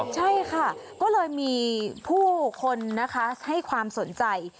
ใช่ค่ะก็เลยมีผู้คนนะคะให้ความสนใจ